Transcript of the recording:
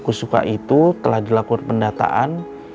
kusuka itu telah dilakukan pendataan